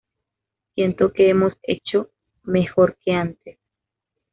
Siento que hemos hecho mejor que antes".